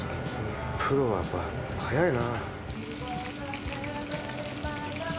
プロはやっぱ早いな。